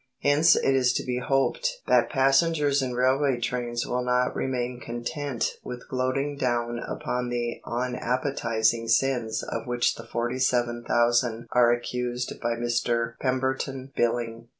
Hence it is to be hoped that passengers in railway trains will not remain content with gloating down upon the unappetising sins of which the forty seven thousand are accused by Mr Pemberton Billing.